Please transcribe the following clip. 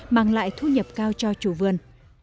mang lại thu nhập cao cho chủ vươn